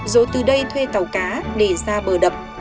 rồi từ đây thuê tàu cá để ra bờ đập